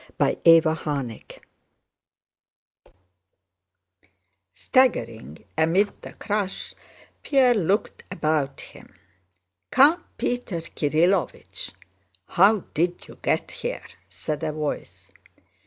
CHAPTER XXII Staggering amid the crush, Pierre looked about him. "Count Peter Kirílovich! How did you get here?" said a voice.